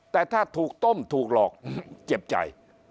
แต่ถ้าถูกต้มถูกหลอกเจ็บใจ